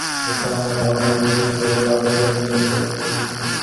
The song has also received several official remixes.